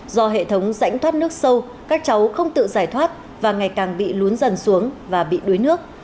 do hệ thống rãnh thoát nước sâu các cháu không tự giải thoát và ngày càng bị lún dần xuống và bị đuối nước